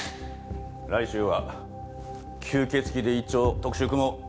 来週は吸血鬼で一丁特集組もう！